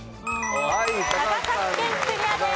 長崎県クリアです。